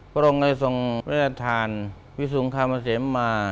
พระรงรัยสงฆ์พระยาทานพิสูงฆ์คามเศสมา